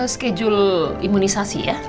schedule imunisasi ya